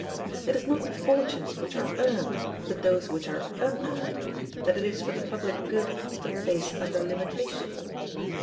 It is not the fortunes which are earned, but those which are unearned, that it is for the public good to place under limitation.